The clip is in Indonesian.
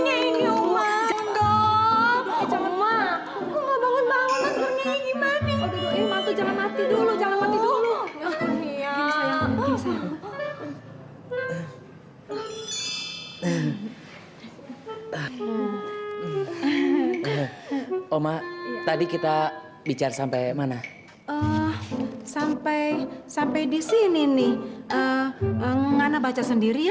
hai eh hai omak tadi kita bisa sampai mana sampai sampai di sini nih engano baca sendiri